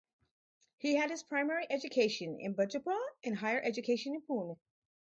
He had his primary education in Bijapur and higher education in Pune.